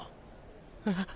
えっ？